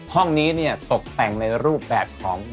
ห้องนี้เนี่ยตกแต่งในรูปแบบของ